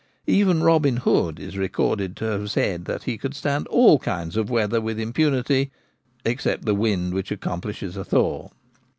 Even Robin Hood is recorded to have said that he could stand all kinds of weather with impunity, except the wind which accompanies a thaw.